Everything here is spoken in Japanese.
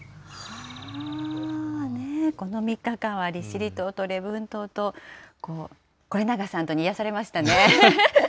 この３日間は利尻島と礼文島と、是永さんとに癒やされましたね。